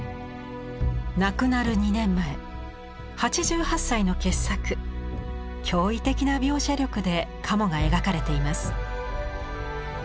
亡くなる２年前８８歳の傑作驚異的な描写力で鴨が描かれています。